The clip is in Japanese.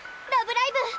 「ラブライブ！」。